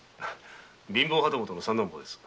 貧乏旗本の三男坊です。